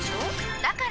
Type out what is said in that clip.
だから！